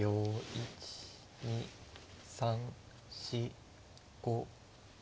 １２３４５６７。